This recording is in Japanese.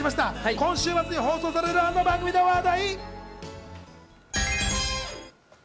今週末に放送されるあの番組の話題。